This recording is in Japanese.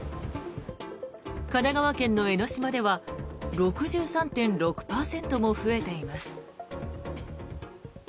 神奈川県の江の島では６３．６％も増えています。